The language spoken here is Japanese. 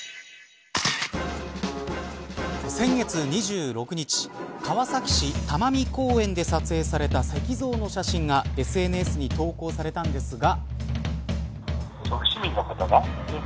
先月２６日川崎市、多摩美公園で撮影された石像の写真がＳＮＳに投稿されたんですが。